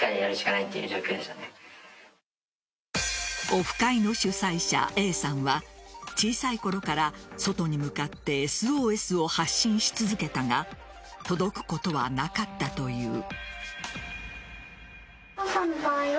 オフ会の主催者・Ａさんは小さいころから外に向かってＳＯＳを発信し続けたが届くことはなかったという。